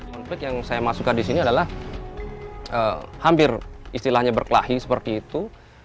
konflik yang saya masukkan di sini adalah hampir istilahnya berkelahi seperti itu